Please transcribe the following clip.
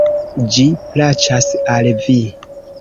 Ĝi plaĉas al vi!